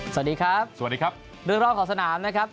สวัสดีครับเรื่องราวของสนามนะครับ